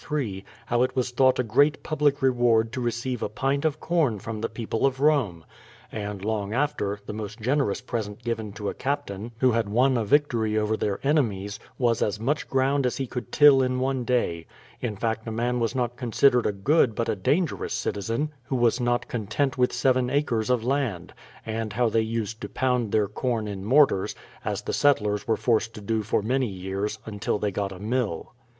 3) how it was thought a great public reward to receive a pint of corn from the people of Rome. And long after, the most generous present given to a Captain who had won a victory over their enemies, was as much ground as he could till in one day; in fact a man was not considered a good but a dangerous citizen, who was not content with seven acres of land ; also how they used to pound their corn in mortars, as the settlers were forced to do for many years, until they got a mill.